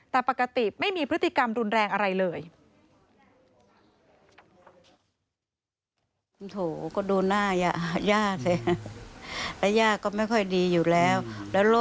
แต่ปกติไม่มีพฤติกรรมรุนแรงอะไรเลย